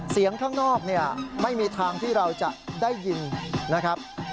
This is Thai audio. เสียงข้างนอกไม่มีทางที่เราจะได้ยินนะครับ